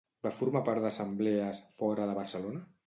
Va formar part d'assemblees fora de Barcelona?